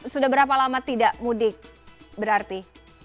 sudah berapa lama tidak mudik berarti